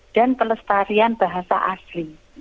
dan pelestarian bahasa asli